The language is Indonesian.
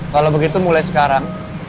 kalau begitu mulai sekarang